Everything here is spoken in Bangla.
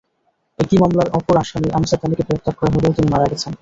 একই মামলার অপর আসামি আমজাদ আলীকে গ্রেপ্তার করা হলেও তিনি মারা গেছেন।